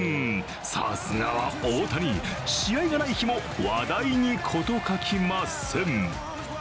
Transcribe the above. さすがは大谷、試合がない日も話題に事欠きません。